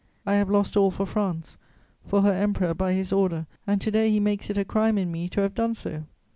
I have lost all for France, for her Emperor, by his order, and to day he makes it a crime in me to have done so.